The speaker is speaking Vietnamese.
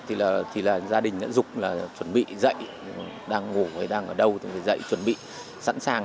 thì là gia đình đã dục là chuẩn bị dậy đang ngủ hay đang ở đâu thì phải dậy chuẩn bị sẵn sàng